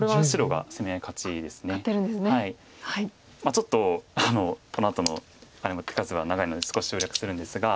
ちょっとこのあとの手数は長いので少し省略するんですが。